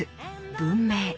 文明